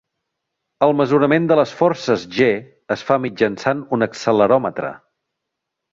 El mesurament de les forces g es fa mitjançant un acceleròmetre.